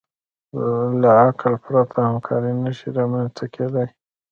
له عقل پرته همکاري نهشي رامنځ ته کېدی.